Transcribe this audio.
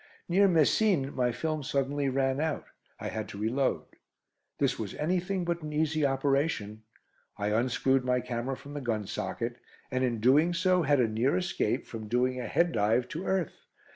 Near Messines my film suddenly ran out. I had to reload. This was anything but an easy operation. I unscrewed my camera from the gun socket, and in doing so had a near escape from doing a head dive to earth.